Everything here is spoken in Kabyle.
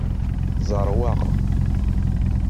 Zerrweɣ.